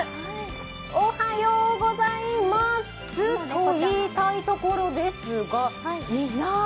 おはようございますと言いたいところですが、いない。